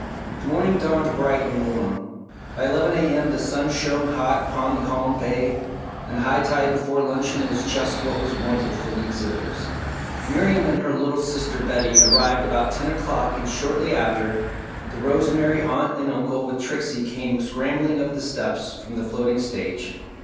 The morning dawned bright and warm. By eleven A. M. the sun shone hot upon the calm bay, and the high tide before luncheon was just what was wanted for the exhibitors. Miriam and her little sister Betty arrived about ten o'clock and shortly after, the Rosemary Aunt and Uncle with Trixie came scrambling up the steps from the floating stage.